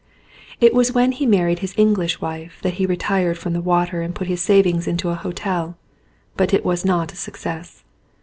It was when he married his English wife that he retired from the water and put his savings into a hotel. But it was not a success.